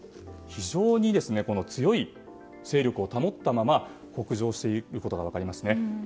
非常に強い勢力を保ったまま北上していくことが分かりますね。